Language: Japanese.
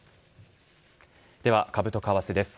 では株と為替です。